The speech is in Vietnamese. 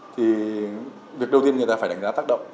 thì việc đầu tiên người ta phải đánh giá tác động